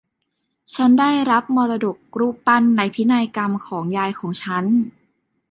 ฉันได้รับมรดกรูปปั้นในพินัยกรรมของยายของฉัน